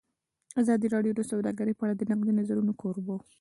ازادي راډیو د سوداګري په اړه د نقدي نظرونو کوربه وه.